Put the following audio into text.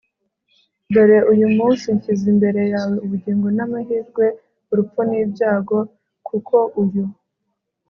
dore uyu munsi nshyize imbere yawe ubugingo n'amahirwe, urupfu n'ibyago ; kuko uyu